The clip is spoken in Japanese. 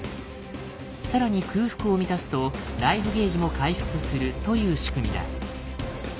更に空腹を満たすと「ＬＩＦＥ」ゲージも回復するという仕組みだ。